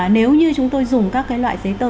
nếu như chúng tôi dùng các cái loại giấy tờ